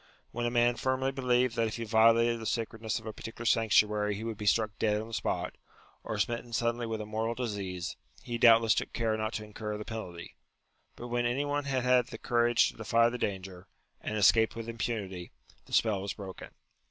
When a man firmly believed that if he violated the sacred ness of a particular sanctuary he would be struck dead on the spot, or smitten suddenly with a mortal disease, he doubtless took care not to incur the penalty : but when any one had had the courage to defy the danger, and escaped with impunity, the spell was broken.